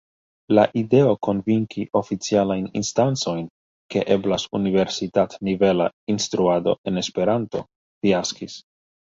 La ideo konvinki oficialajn instancojn, ke eblas universitat-nivela instruado en Esperanto, fiaskis.